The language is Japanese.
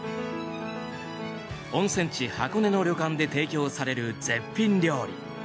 温泉地・箱根の旅館で提供される絶品料理。